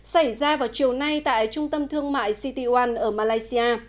xảy ra vào chiều nay tại trung tâm thương mại citywan ở malaysia